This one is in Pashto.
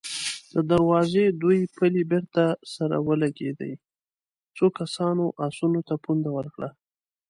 د دروازې دوې پلې بېرته سره ولګېدې، څو کسانو آسونو ته پونده ورکړه.